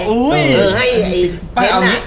เออให้ไอ้เท้นนะ